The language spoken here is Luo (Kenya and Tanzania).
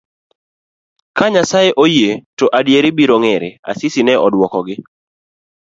ka Nyasaye oyie to adier biro ng'ere, Asisi ne odwokogi.